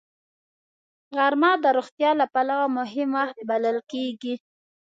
غرمه د روغتیا له پلوه مهم وخت بلل کېږي